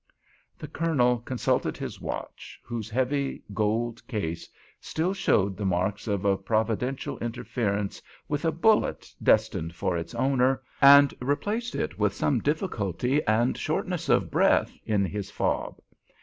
The Colonel consulted his watch, whose heavy gold case still showed the marks of a providential interference with a bullet destined for its owner, and replaced it with some difficulty and shortness of breath in his fob.